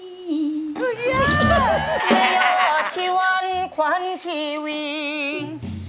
ไม่อยากที่วันควันที่วิง